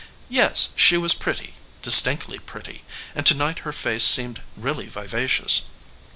Yes, she was pretty, distinctly pretty; and to night her face seemed really vivacious.